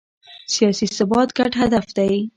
سیاسي ثبات ګډ هدف دی